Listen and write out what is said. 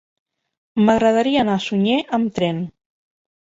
M'agradaria anar a Sunyer amb tren.